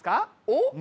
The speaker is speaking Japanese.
おっ？